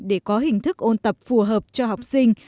để có hình thức ôn tập phù hợp cho học sinh